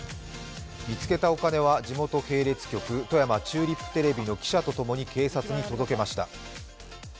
見つけたお金は地元系列局、富山チューリップテレビの記者と共に警察に届けました。